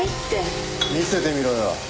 見せてみろよ。